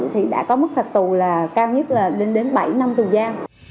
thì đã có mức phạt tù cao nhất là lên đến bảy năm tù gian